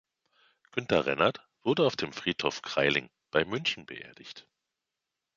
Günther Rennert wurde auf dem Friedhof Krailling bei München beerdigt.